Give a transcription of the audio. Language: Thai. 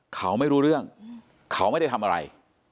เขาไม่รู้เรื่องเขาไม่ได้ทำอะไร